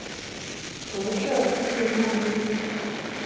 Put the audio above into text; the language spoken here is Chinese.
辐射剂量率。